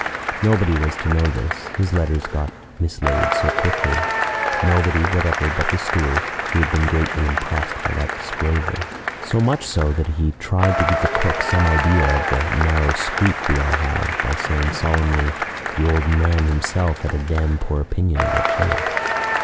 Nobody was to know this (his letters got mislaid so quickly) nobody whatever but the steward, who had been greatly impressed by that disclosure. So much so, that he tried to give the cook some idea of the "narrow squeak we all had" by saying solemnly, "The old man himself had a dam' poor opinion of our chance."